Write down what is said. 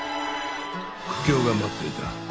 苦境が待っていた。